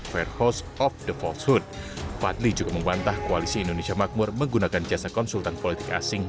fadli juga membantah koalisi indonesia makmur menggunakan jasa konsultan politik asing